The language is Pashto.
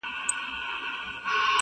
بس کلمات وي، شرنګ وي -